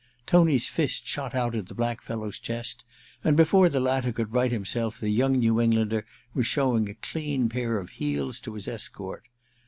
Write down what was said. Tony's fist shot out at the black fellow's chest, and before the latter could right himself the young New Englander was showing a dean pair of neels to his escort.